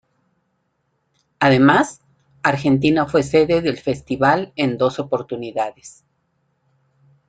Además, Argentina fue sede del festival en dos oportunidades.